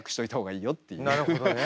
なるほどね。